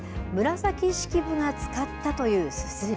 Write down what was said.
紫式部が使ったというすずり。